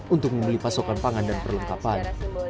untuk membeli pasokan pangan dan perlengkapan